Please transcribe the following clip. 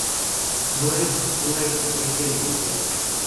No es una hipoteca inmobiliaria.